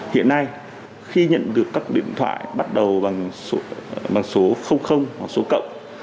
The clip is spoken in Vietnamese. hiện nay khi nhận được các điện thoại bắt đầu bằng số hoặc số cộng